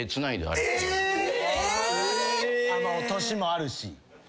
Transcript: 年もあるし。